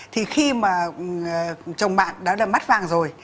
thì khi mà chồng bạn đã đầm mắt vàng rồi